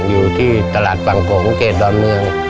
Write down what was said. อยู่ที่ตลาดฝั่งกงเขตดอนเมือง